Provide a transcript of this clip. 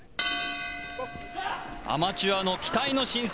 アマチュアの期待の新星